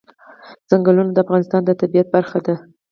ځنګلونه د افغانستان د طبیعت برخه ده.